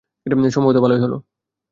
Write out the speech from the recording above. সম্ভবত ভালোই হলো।